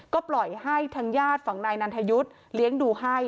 ก็ปล่อยให้ทางญาติฝั่งนายนันทยุทธ์เลี้ยงดูให้